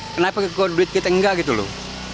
kenapa kok duit kita enggak gitu loh